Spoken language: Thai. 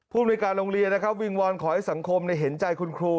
ผู้อำนวยการโรงเรียนวิงวอนขอให้สังคมในเห็นใจคุณครู